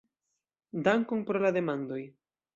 Dankon pro la demandoj!